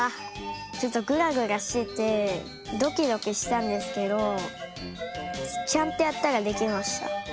ちょっとグラグラしててドキドキしたんですけどちゃんとやったらできました。